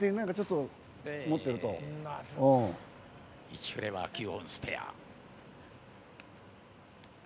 １フレは９本スペア！